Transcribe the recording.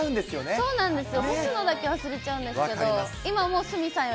そうなんですよ。